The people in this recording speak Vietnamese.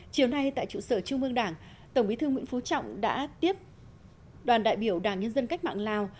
chiều nay tại trụ sở trung mương đảng tổng bí thư nguyễn phú trọng đã tiếp đoàn đại biểu đảng nhân dân cách mạng lào